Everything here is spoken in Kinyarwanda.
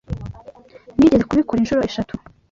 Nigeze kubikora inshuro eshatu.